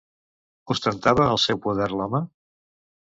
Ostentava el seu poder l'home?